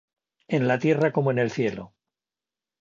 en la tierra como en el cielo.